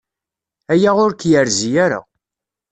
Aya ur k-yerzi ara.